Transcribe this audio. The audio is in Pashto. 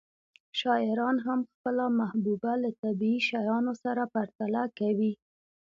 شاعران هم خپله محبوبه له طبیعي شیانو سره پرتله کوي